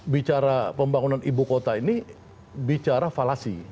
bicara pembangunan ibu kota ini bicara falasi